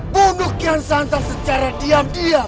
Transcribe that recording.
bunuh kian santa secara diam diam